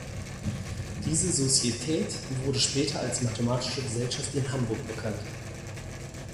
Diese Societät wurde später als Mathematische Gesellschaft in Hamburg bekannt.